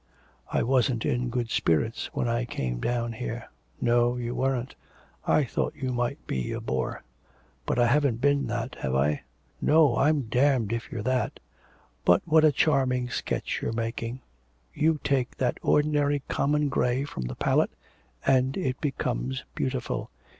'I wasn't in good spirits when I came down here.' 'No, you weren't. I thought you might be a bore.' 'But I haven't been that, have I?' 'No, I'm damned if you're that.' 'But what a charming sketch you're making. You take that ordinary common grey from the palette, and it becomes beautiful.